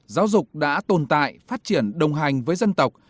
giáo dục đã tồn tại phát triển đồng hành với dân tộc